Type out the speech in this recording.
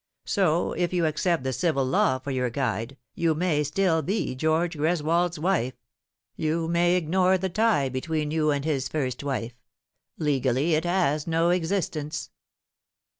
So, if you accept the civil law for your guide, you may still be George Greswold's wife you may ignore the tie between you and hia first wife. Legally it has no existence."